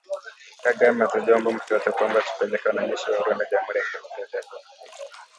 Kagame: Hatujaomba mtu yeyote kwamba tupeleke wanajeshi wa Rwanda Jamhuri ya kidemokrasia ya Kongo.